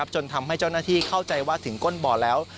จนทำให้เจ้าหน้าที่เข้าใจว่าถึงก้นบ่อแล้ว